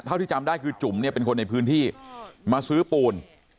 ที่จำได้คือจุ๋มเนี่ยเป็นคนในพื้นที่มาซื้อปูน